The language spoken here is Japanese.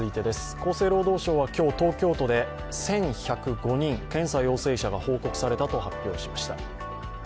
厚生労働省は今日、東京都で１１０５人検査陽性者が報告されたと発表しました。